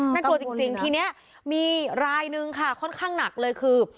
น่ากลัวจริงทีนี้มีรายนึงค่ะค่อนข้างหนักเลยคือ